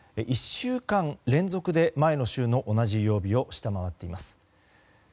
１週間連続で前の週の同じ曜日を下回っています。